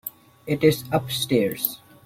It is upstairs.